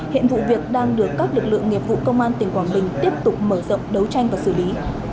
hiện vụ việc đang được các lực lượng nghiệp vụ công an tỉnh quảng bình tiếp tục mở rộng đấu tranh và xử lý